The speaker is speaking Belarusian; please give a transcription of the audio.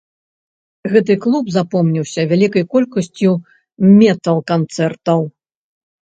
Гэты клуб запомніўся вялікай колькасць метал-канцэртаў.